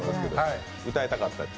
歌いたかったです。